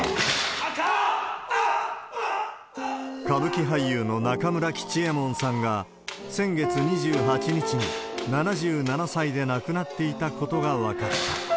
歌舞伎俳優の中村吉右衛門さんが、先月２８日に７７歳で亡くなっていたことが分かった。